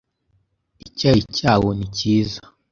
icyayi cyawo ni cyiza